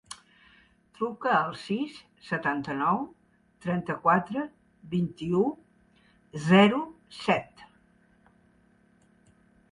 Truca al sis, setanta-nou, trenta-quatre, vint-i-u, zero, set.